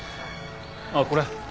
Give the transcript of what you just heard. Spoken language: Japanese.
ああこれ。